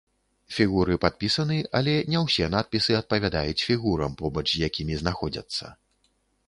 Фігуры падпісаны, але не ўсе надпісы адпавядаюць фігурам, побач з якімі знаходзяцца.